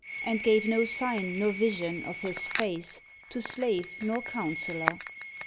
96 JUS'TICE And gave no sign, nor vision of his face, To slave nor councillor.